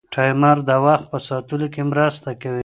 ټایمر د وخت په ساتلو کې مرسته کوي.